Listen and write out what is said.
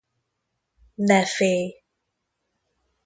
Ne félj!